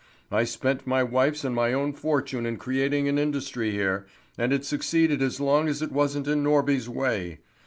I spent my wife's and my own fortune in creating an industry here, and it succeeded as long as it wasn't in Norby's way.